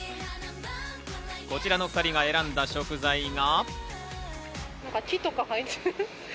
こちらの２人が選んだ食材が。